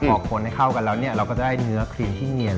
พอคนให้เข้ากันแล้วเนี่ยเราก็ได้เนื้อครีมที่เนียน